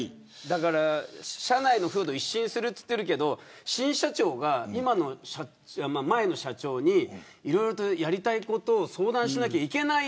社内の風土を一新すると言ってるけど新社長が、前の社長にいろいろやりたいことを相談しなきゃいけない。